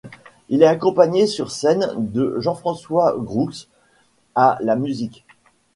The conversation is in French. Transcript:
Il est accompagné sur scène de Jean-François Groulx à la musique.